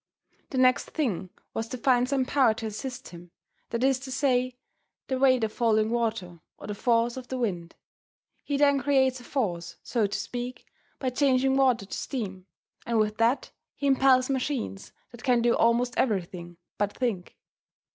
The next thing was to find some power to assist him that is to say, the weight of falling water, or the force of the wind. He then creates a force, so to speak, by changing water to steam, and with that he impels machines that can do almost everything but think.